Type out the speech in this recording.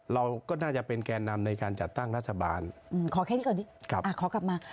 เราก็น่าจะเป็นแก่นำในการจัดตั้งรัฐบาลขอแค่นี้ก่อนดีขอกลับมา